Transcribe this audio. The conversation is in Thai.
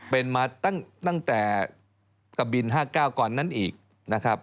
เป็นมาตั้งแต่กะบิน๕๙ก่อนนั้นอีกนะครับ